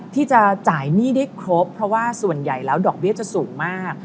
ที่จะจ่ายหนี้ได้ครบเพราะว่าส่วนใหญ่แล้วดอกเบี้ยจะสูงมาก